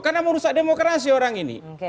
karena merusak demokrasi orang ini